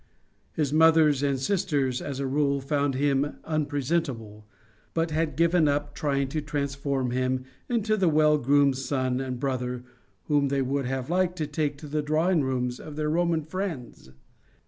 His mother and sisters as a rule found him unpresentable, but had given up trying to transform him into the well groomed son and brother whom they would have liked to take to the drawing rooms of their Roman friends.